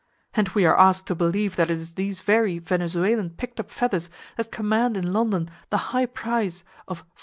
And we are asked to believe that it is these very Venezuelan picked up feathers that command in London the high price of $44 per ounce.